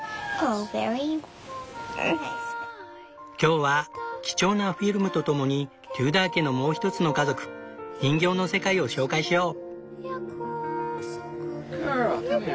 今日は貴重なフィルムと共にテューダー家のもうひとつの家族人形の世界を紹介しよう。